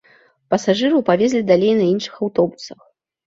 Пасажыраў павезлі далей на іншых аўтобусах.